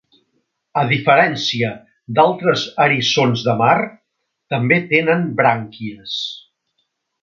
A diferència d'altres eriçons de mar, també tenen brànquies.